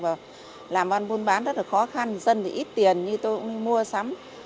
và làm ăn buôn bán rất là khó khăn dân thì ít tiền như tôi cũng mua sắm